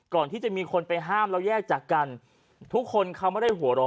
ก่อนที่จะมีคนไปห้ามแล้วแยกจากกันทุกคนเขาไม่ได้หัวเราะ